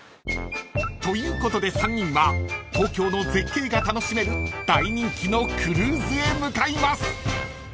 ［ということで３人は東京の絶景が楽しめる大人気のクルーズへ向かいます］